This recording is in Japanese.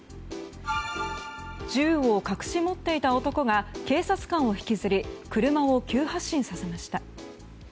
銃を隠し持っていた男が警察官を引きずり車を急発進させました。